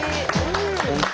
本当。